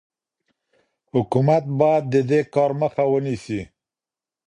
حکومت باید د دې کار مخه ونیسي.